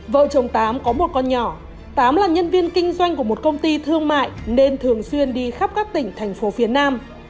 vợ chồng tám có một con nhỏ tám là nhân viên kinh doanh của một công ty thương mại nên thường xuyên đi khắp các tỉnh thành phố phía nam